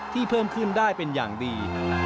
เพิ่มขึ้นได้เป็นอย่างดี